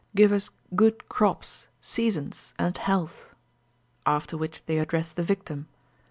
Give us good crops, seasons, and health.' After which they address the victim.